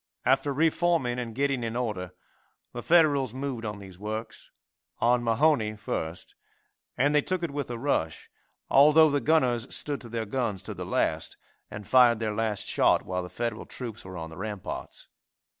After reforming and getting in order, the Federals moved on these works on Mahone first, and they took it with a rush, although the gunners stood to their guns to the last and fired their last shot while the Federal troops were on the ramparts.